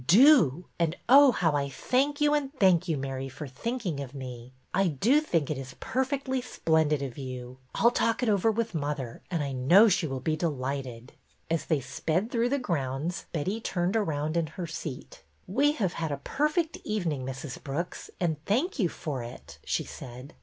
Do ! And, oh, how I thank you and thank you, Mary, for thinking of me. I do think it is perfectly splendid of you. I 'll talk it over with mother, and I know she will be delighted." As they sped through the grounds Betty turned around in her seat. ''We have had a perfect evening, Mrs. Brooks, and thank you for it," she said.